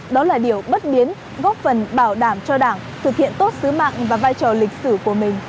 đó là điều bất biến góp phần bảo đảm cho đảng thực hiện tốt sứ mạng và vai trò lịch sử của mình